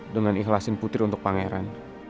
dengan ikhlasin putih untuk pangeran